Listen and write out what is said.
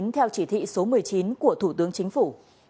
theo chỉ thị số một mươi chín của thủ tướng chính phủ